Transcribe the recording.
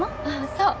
そう。